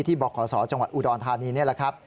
ที่บคจอุดรธานีนี่แหละครับ